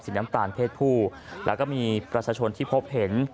น้ำตาลเพศผู้แล้วก็มีประชาชนที่พบเห็น